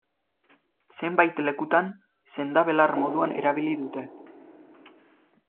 Zenbait lekutan, sendabelar moduan erabili dute.